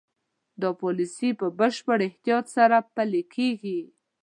دا پالیسي په بشپړ احتیاط سره پلي کېږي.